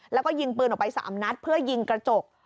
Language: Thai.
แล้วก็ยิงปืนออกไป๓นัดเพื่อยิงกระจก